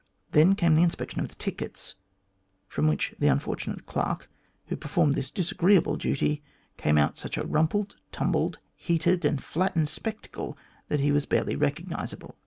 Then came the inspection of the tickets, from which the unfortunate clerk, who performed this disagreeable duty, came out such a rumpled, tumbled, heated, and flattened spectacle that he was barely recognisable.